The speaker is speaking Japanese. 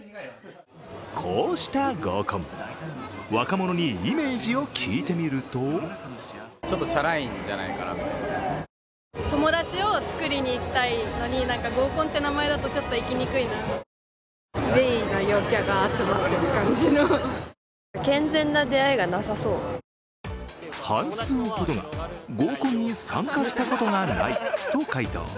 こうした合コン、若者にイメージを聞いてみると半数ほどが合コンに参加したことがないと回答。